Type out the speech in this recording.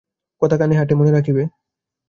কথা কানে হাঁটে, মনে রাখিবে।